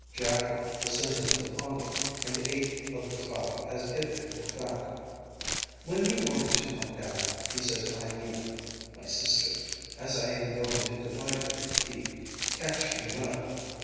Jackal descended upon it, and ate of the cloud as if it were fat. When he wanted to come down, he said to Hyena, "My sister, as I am going to divide with thee, catch me well."